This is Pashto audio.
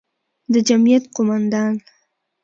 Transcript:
د جمعیت قوماندان،